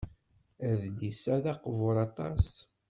Adlis-a d aqbur aṭas.